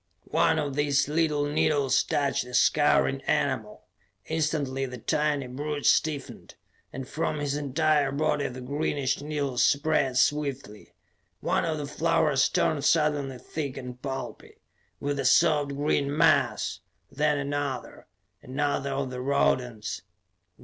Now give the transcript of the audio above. One of these little needles touched a scurrying animal. Instantly the tiny brute stiffened, and from his entire body the greenish needles spread swiftly. One of the flowers turned suddenly thick and pulpy with the soft green mass, then another, another of the rodents